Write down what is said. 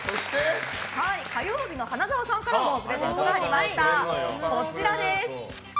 火曜日の花澤さんからもプレゼントがありました。